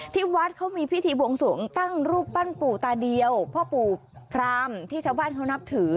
ที่วัดเขามีพิธีบวงสวงตั้งรูปปั้นปู่ตาเดียวพ่อปู่พรามที่ชาวบ้านเขานับถือ